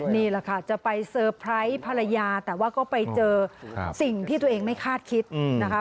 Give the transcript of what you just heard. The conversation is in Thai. นี่แหละค่ะจะไปเซอร์ไพรส์ภรรยาแต่ว่าก็ไปเจอสิ่งที่ตัวเองไม่คาดคิดนะคะ